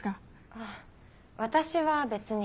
あっ私は別に。